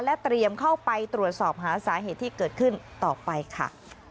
เตรียมเข้าไปตรวจสอบหาสาเหตุที่เกิดขึ้นต่อไปค่ะ